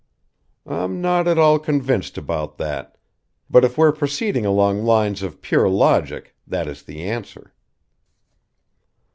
"I'm not at all convinced about that. But if we're proceeding along lines of pure logic, that is the answer."